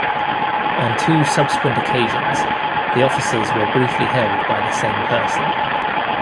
On two subsequent occasions the offices were briefly held by the same person.